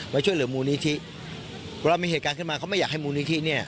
ช่วยเหลือมูลนิธิเวลามีเหตุการณ์ขึ้นมาเขาไม่อยากให้มูลนิธิเนี่ย